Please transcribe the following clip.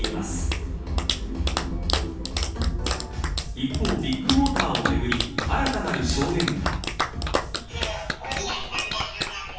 一方、ビッグモーターをめぐり新たなる証言が。